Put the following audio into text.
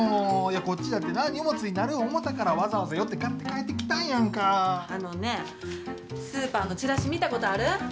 こっちだって、荷物になる思うたから、わざわざ寄って買ってあげあのね、スーパーのチラシ、見たことある？